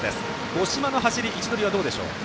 五島の走り、位置取りはどうでしょうか？